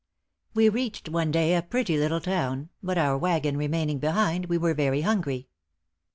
"We reached one day a pretty little town; but our wagon remaining behind, we were very hungry.